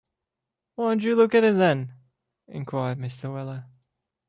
‘Why don’t you look at it, then?’ inquired Mr. Weller..